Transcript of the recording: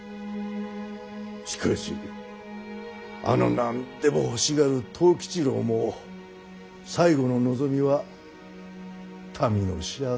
しかしあの何でも欲しがる藤吉郎も最後の望みは民の幸せとはのう。